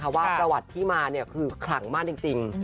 ว่าประวัติที่มาคือขลังมากจริง